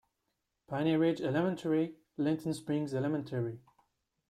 Piney Ridge Elementary, Linton Springs Elementary.